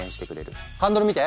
ハンドル見て！